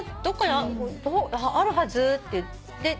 「どっかあるはず」って。